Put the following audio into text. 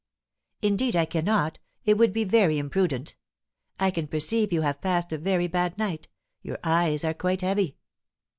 "Indeed I cannot, it would be very imprudent; I can perceive you have passed a very bad night, your eyes are quite heavy."